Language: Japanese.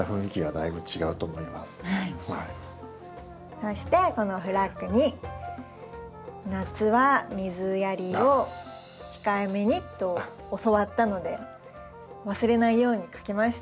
そしてこのフラッグに「夏は水やりを控えめに」と教わったので忘れないように書きました。